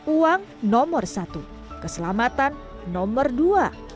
uang nomor satu keselamatan nomor dua